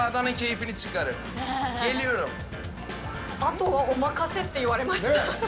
あとはお任せって言われました。